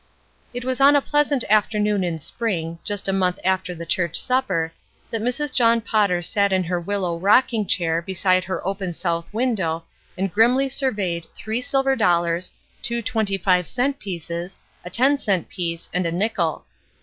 It was on a pleasant afternoon in spring, just a month after the church supper, that Mrs. John Potter sat in her willow rocking 366 ESTER RIED'S NAMESAKE chair beside her open south window and grimly surveyed three silver dollars, two twenty five | cent pieces, a ten cent piece, and a nickel.